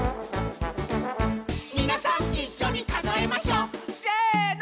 「みなさんいっしょに数えましょ」「せーの！」